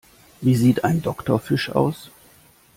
Wie sieht ein Doktorfisch aus?